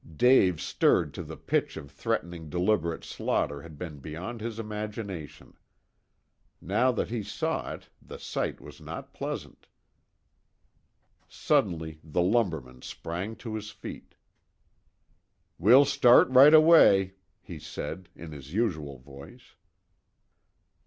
Dave stirred to the pitch of threatening deliberate slaughter had been beyond his imagination. Now that he saw it the sight was not pleasant. Suddenly the lumberman sprang to his feet "We'll start right away," he said, in his usual voice.